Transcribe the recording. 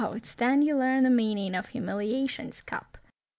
it's then you learn the meaning of humiliation's cup.